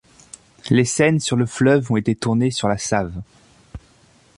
Les scènes sur le fleuve ont été tournées sur la Save.